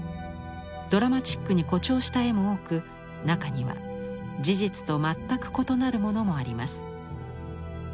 ドラマチックに誇張した絵も多く中には事実と全く異なるものもあります。